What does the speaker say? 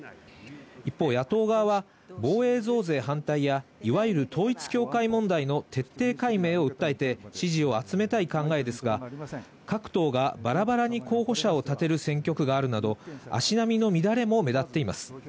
一方、野党側は防衛増税反対や、いわゆる統一教会問題の徹底解明を訴えて、支持を集めたい考えですが、各党がバラバラに候補者を立てる選挙区があるなど足並みの乱れも目立っています。